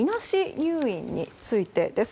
入院についてです。